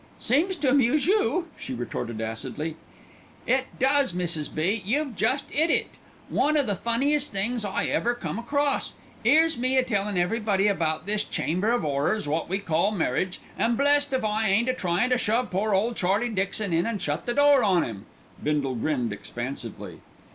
"Seems to amuse you," she retorted acidly. "It does, Mrs. B.; you've jest 'it it. One o' the funniest things I ever come across. 'Ere's me a tellin' everybody about this chamber of 'orrors wot we call marriage, an' blest if I ain't a tryin' to shove poor ole Charlie Dixon in an' shut the door on 'im." Bindle grinned expansively.